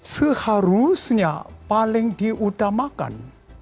seharusnya paling diutamakan